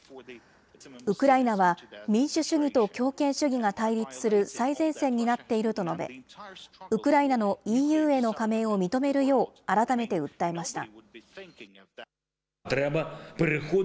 ウクライナは民主主義と強権主義が対立する最前線になっていると述べ、ウクライナのＥＵへの加盟を認めるよう、改めて訴えました。